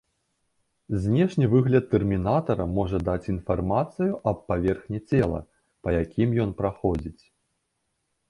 Знешні выгляд тэрмінатара можа даць інфармацыю аб паверхні цела, па якім ён праходзіць.